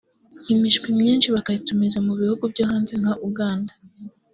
imishwi myinshi bakayitumiza mu bihugu byo hanze nka Uganda